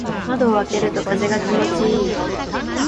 窓を開けると風が気持ちいい。